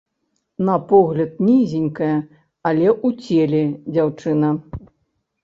На погляд нізенькая, але ў целе дзяўчына.